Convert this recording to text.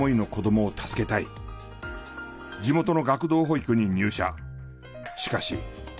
地元の学童保育に入社。